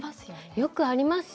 よくありますね。